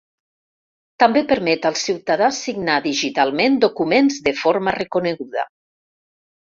També permet al ciutadà signar digitalment documents de forma reconeguda.